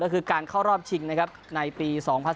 นั่ะคือการเข้ารอบชิงในปี๒๐๑๓